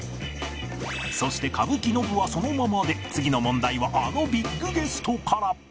そして歌舞伎ノブはそのままで次の問題はあのビッグゲストから